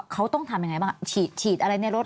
เขาต้องทำยังไงบ้างฉีดอะไรในรถ